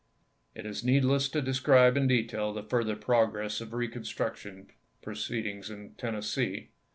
It is needless to describe in detail the further progress of reconstruction proceedings in Tennes see.